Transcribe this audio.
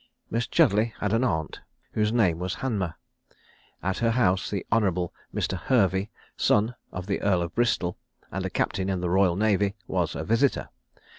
Miss Chudleigh had an aunt, whose name was Hanmer: at her house the Hon. Mr. Hervey, son of the Earl of Bristol, and a captain in the royal navy, was a visitor.